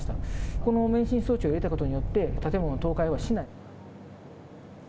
この免震装置を入れたことによって、建物の倒壊はしない。